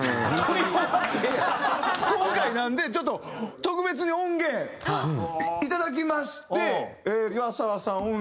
今回なのでちょっと特別に音源いただきまして岩沢さん